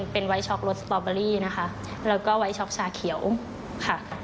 เป็นไว้ช็อกรถสตอเบอรี่นะคะแล้วก็ไว้ช็อกชาเขียวค่ะ